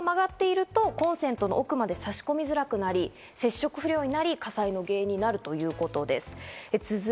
ここが曲がっていると、奥まで差し込みづらくなり、接触不良になり、火災の原因になるということです。